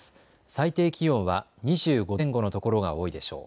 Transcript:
最低気温は２５度前後の所が多いでしょう。